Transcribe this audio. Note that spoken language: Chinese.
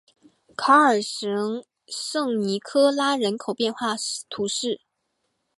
考尔什圣尼科拉人口变化图示